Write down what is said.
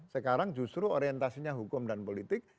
sekarang justru orientasinya hukum dan politik